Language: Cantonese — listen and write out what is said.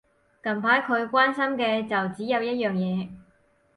近排佢關心嘅就只有一樣嘢